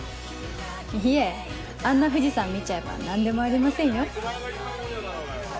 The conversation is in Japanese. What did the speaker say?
いえあんな藤さん見ちゃえば何でもありませんよ。